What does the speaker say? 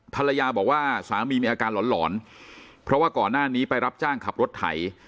ภรรยาบอกว่าสามีมีอาการหลอนเพราะว่าก่อนหน้านี้ไปรับจ้างขับรถไถ